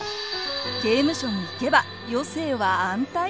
刑務所に行けば余生は安泰！？